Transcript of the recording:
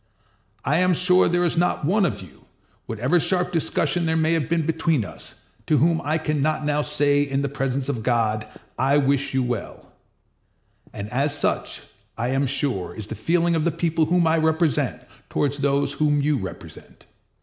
I am sure there is not one of you, whatever sharp discussion there may have been between us, to whom I can not now say, in the presence of my God, I wish you well; and such, I am sure, is the feeling of the people whom I represent toward those whom you represent.